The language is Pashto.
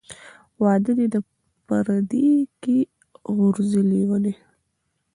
ـ واده دى د پرديي کې غورځي لېوني .